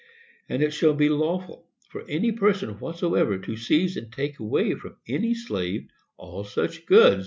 And it shall be lawful for any person whatsoever to seize and take away from any slave all such goods, &c.